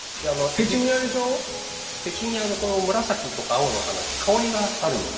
ペチュニアのこの紫とか青のお花って香りがあるので。